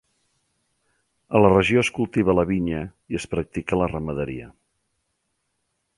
A la regió es cultiva la vinya i es practica la ramaderia.